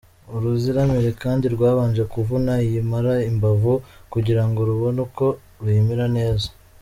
Uruziramire kandi rwabanje kuvuna iyi mpala imbavu kugira ngo rubone uko ruyimira neza.